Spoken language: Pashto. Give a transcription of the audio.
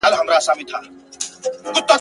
د میوند لنډۍ به وایو له تاریخ سره نڅیږو ..